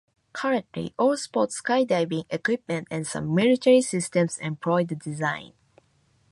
Currently, all sport skydiving equipment and some military systems employ the design.